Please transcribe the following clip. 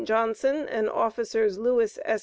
Johnson, and officers Lewis S.